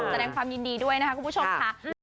แสดงความยินดีด้วยนะคะคุณผู้ชมค่ะ